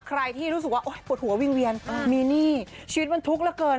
ใครที่รู้สึกว่าปวดหัววิ่งเวียนมีหนี้ชีวิตมันทุกข์เหลือเกิน